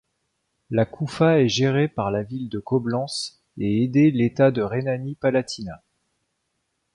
La Koufa est gérée par la ville de Coblence et aidée l'État de Rhénanie-Palatinat.